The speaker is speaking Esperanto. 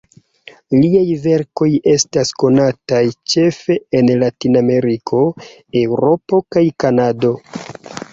Liaj verkoj estas konataj ĉefe en Latinameriko, Eŭropo kaj Kanado.